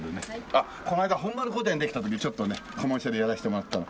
あっこの間本丸御殿できた時にちょっとねコマーシャルやらせてもらったの。